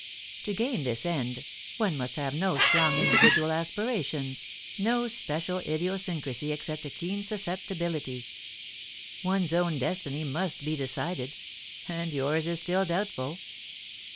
To gain this end one must have no strong individual aspirations, no special idiosyncrasy except a keen susceptibility. One's own destiny must be decided ... and yours is still doubtful.